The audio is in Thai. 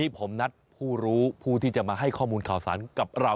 ผมนัดผู้รู้ผู้ที่จะมาให้ข้อมูลข่าวสารกับเรา